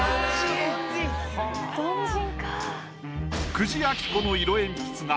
久慈暁子の色鉛筆画